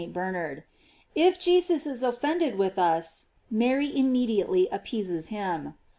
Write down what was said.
471 St. Bernard.* If Jesus is offended with us, Mary immediately appeases him.